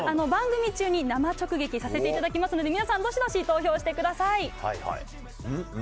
番組中に生直撃させていただきますのでどしどし投票してください。